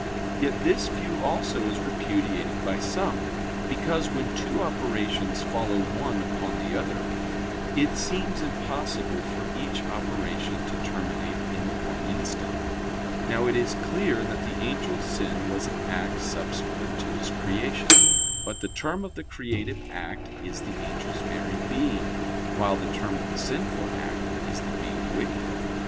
Yet this view also is repudiated by some, because, when two operations follow one upon the other, it seems impossible for each operation to terminate in the one instant. Now it is clear that the angel's sin was an act subsequent to his creation. But the term of the creative act is the angel's very being, while the term of the sinful act is the being wicked.